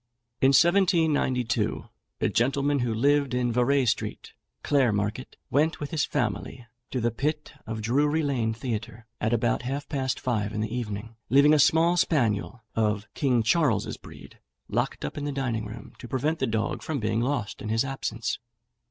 In 1792, a gentleman, who lived in Vere Street, Clare Market, went with his family to the pit of Drury Lane Theatre, at about half past five in the evening, leaving a small spaniel, of King Charles's breed, locked up in the dining room, to prevent the dog from being lost in his absence.